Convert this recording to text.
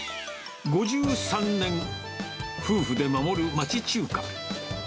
５３年、夫婦で守る町中華。